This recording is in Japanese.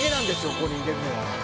ここにいれるのは。